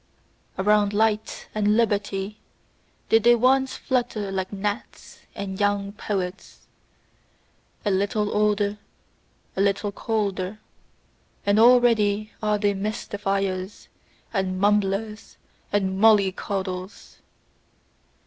Around light and liberty did they once flutter like gnats and young poets. A little older, a little colder: and already are they mystifiers, and mumblers and mollycoddles.